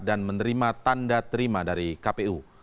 dan menerima tanda terima dari kpu